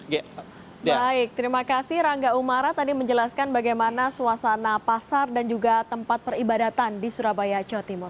baik terima kasih rangga umara tadi menjelaskan bagaimana suasana pasar dan juga tempat peribadatan di surabaya jawa timur